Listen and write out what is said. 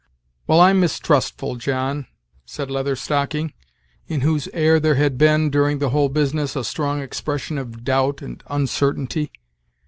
"Well, I'm mistrustful, John," said Leather Stocking, in whose air there had been, during the whole business, a strong expression of doubt and uncertainty.